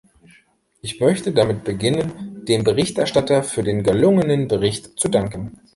Ich möchte damit beginnen, dem Berichterstatter für den gelungen Bericht zu danken.